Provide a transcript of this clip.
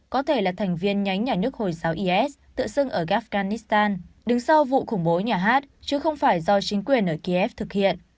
có thể là thành viên nhánh nhà nước hồi giáo is tự xưng ở gafahnistan đứng sau vụ khủng bố nhà hát chứ không phải do chính quyền ở kiev thực hiện